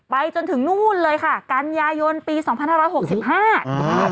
จนถึงนู่นเลยค่ะกันยายนปีสองพันห้าร้อยหกสิบห้าอ่า